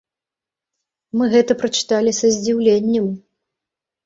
Мы гэта прачыталі са здзіўленнем.